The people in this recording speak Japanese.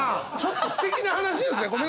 ちょっとすてきな話ですね。